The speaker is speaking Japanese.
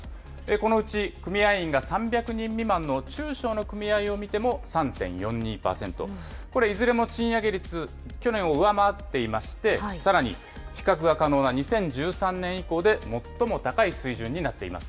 このうち組合員が３００人未満の中小の組合を見ても３．４２％、これ、いずれも賃上げ率、去年を上回っていまして、さらに比較が可能な２０１３年以降で最も高い水準になっています。